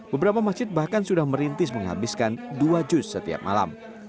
beberapa masjid bahkan sudah merintis menghabiskan dua jus setiap malam